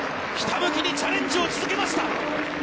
ひたむきにチャレンジを続けました。